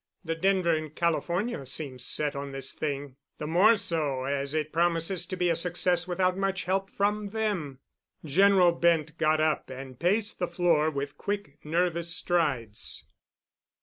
"The Denver and California seems set on this thing—the more so as it promises to be a success without much help from them." General Bent got up and paced the floor with quick, nervous strides.